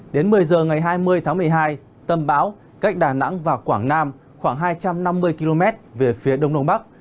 đến một mươi giờ ngày hai mươi tháng một mươi hai tâm bão cách đà nẵng và quảng nam khoảng hai trăm năm mươi km về phía đông đông bắc